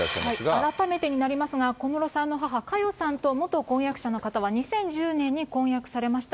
改めてになりますが、小室さんの母、佳代さんと元婚約者の方は、２０１０年に婚約されました。